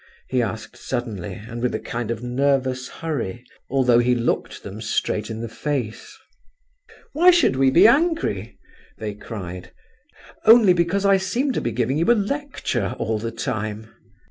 he asked suddenly, and with a kind of nervous hurry, although he looked them straight in the face. "Why should we be angry?" they cried. "Only because I seem to be giving you a lecture, all the time!"